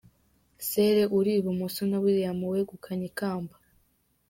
Sere uri i bumoso na Wiiliam wegukanye ikamba.